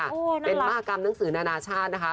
น่ารักมค่ะเป็นมากรรมหนังสือนานาชาตินะคะ